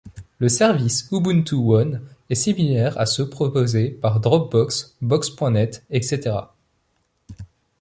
Le service Ubuntu One est similaire à ceux proposés par Dropbox, Box.net, etc.